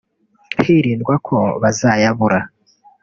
hirindwa ko bazayabura